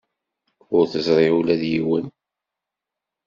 Ur teẓri ula d yiwen?